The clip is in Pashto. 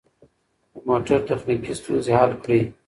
د موټر تخنیکي ستونزې حل کړئ.